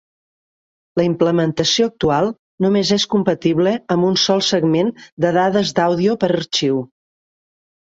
La implementació actual només és compatible amb un sol segment de dades d'àudio per arxiu.